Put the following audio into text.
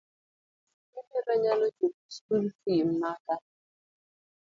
Ibiro nyalo chulo skul fii maka?